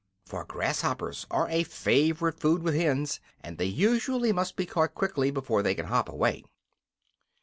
For grasshoppers are a favorite food with hens, and they usually must be caught quickly, before they can hop away.